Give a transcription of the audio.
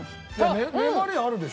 粘りあるでしょ？